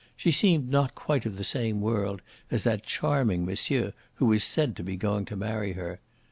She seemed not quite of the same world as that charming monsieur who was said to be going to marry her.